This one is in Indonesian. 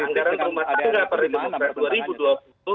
anggaran rumah tangga partai demokrat dua ribu dua puluh